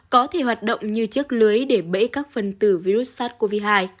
có thể hoạt động như chiếc lưới để bẫy các phần tử virus sars cov hai